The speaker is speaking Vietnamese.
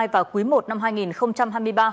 và cuối một năm hai nghìn hai mươi ba